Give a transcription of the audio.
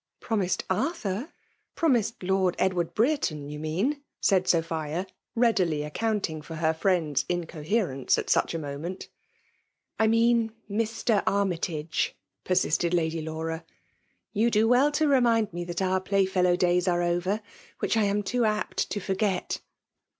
"Promised Arthur? — ^Promised Lord Ed ward Brercton, you mean/' said Sophia, rea« dily accounting for her friend's incoherence at such a moment. "I mean Mr. Armytage,'* persisted Lady Laura. '* You' do well to remind me that our playfellow days are over,— which I am too apt to forget."